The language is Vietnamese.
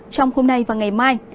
trong hôm nay và ngày mai